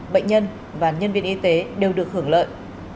bệnh nhân và nhân viên y tế đều được hưởng lợi